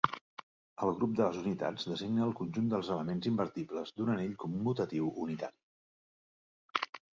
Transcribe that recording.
El grup de les unitats designa el conjunt dels elements invertibles d'un anell commutatiu unitari.